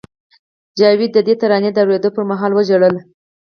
جاوید د دې ترانې د اورېدو پر مهال وژړل